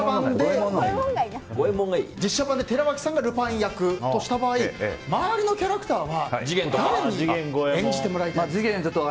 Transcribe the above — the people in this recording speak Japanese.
実写版で寺脇さんがルパン役とした場合周りのキャラクターは誰に演じてもらいたいですか？